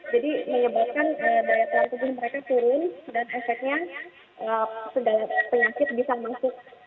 jadi menyebabkan daya tahan tubuh mereka turun dan efeknya penyakit bisa masuk